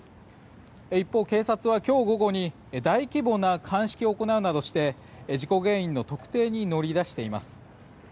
一方、警察は今日午後に大規模な鑑識を行うなどして事故原因の特定に乗り出しています。